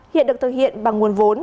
hiện được thực hiện bằng nguồn vốn